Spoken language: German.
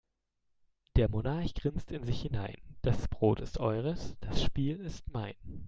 Der Monarch grinst in sich hinein: Das Brot ist eures, das Spiel ist mein.